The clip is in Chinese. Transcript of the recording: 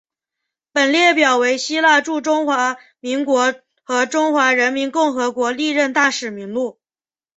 本列表为希腊驻中华民国和中华人民共和国历任大使名录。